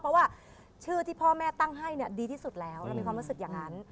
เพราะว่าชื่อที่พ่อแม่ตั้งให้เนี่ยดีที่สุดแล้วเรามีความรู้สึกอย่างนั้น